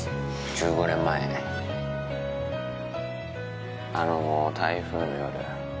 １５年前あの台風の夜